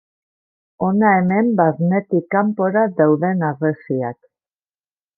Hona hemen barnetik kanpora dauden harresiak.